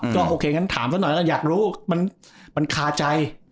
ก็โอเคถามสักหน่อยอยากรู้มันคาใจ